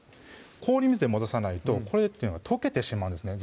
氷水で戻さないとこれというのは溶けてしまうんですね